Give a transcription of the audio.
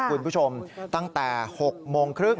คุณผู้ชมตั้งแต่๖๓๐น